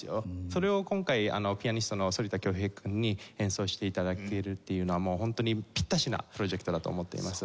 それを今回ピアニストの反田恭平君に演奏して頂けるっていうのは本当にピッタシなプロジェクトだと思っています。